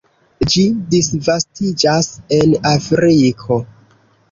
Ĝi disvastiĝas en Afriko.